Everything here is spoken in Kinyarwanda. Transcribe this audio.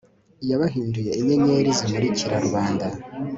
Yabahinduye inyenyeri zimurikira rubanda